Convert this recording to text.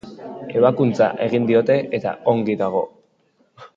Ebakuntza egin diote eta ongi dago.